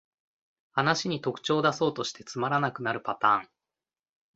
話に特徴だそうとしてつまらなくなるパターン